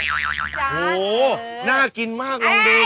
โอ้โฮน่ากินมากคุณดี